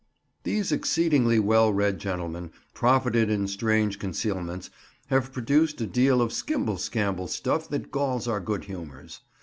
These exceedingly well read gentlemen, profited in strange concealments, have produced a deal of skimble skamble stuff that galls our good humours.